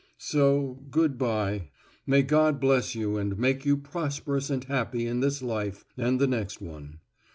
_ _So good bye. May God bless you and make you prosperous and happy in this life and the next one.